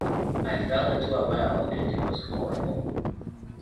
I fell into a well and it was horrible.